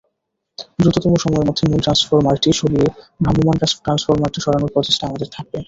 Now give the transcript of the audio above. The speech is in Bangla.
দ্রুততম সময়ের মধ্যে মূল ট্রান্সফরমারটি সারিয়ে ভ্রাম্যমাণ ট্রান্সফরমারটি সরানোর প্রচেষ্টা আমাদের থাকবে।